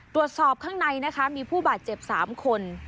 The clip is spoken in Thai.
ตรวจสอบข้างในนะคะมีผู้บาดเจ็บ๓คน